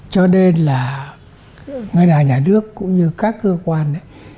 cho nên là ngân hàng nhà nước cũng như các cơ quan ấy